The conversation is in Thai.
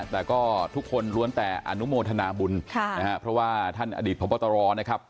แต่ก็ทุกคนล้วนแต่อนุโมทนาบุญค่ะนะฮะเพราะว่าท่านอดีตพบตรนะครับ